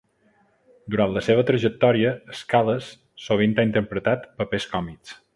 Durant la seva trajectòria, Scales sovint ha interpretat papers còmics.